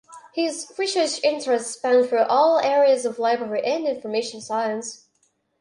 His research interests span through all areas of library and information science.